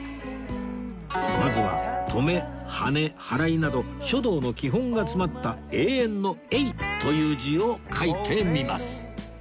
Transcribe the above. まずはとめはねはらいなど書道の基本が詰まった「永遠」の「永」という字を書いてみます